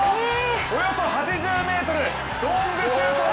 およそ８０ｍロングシュート！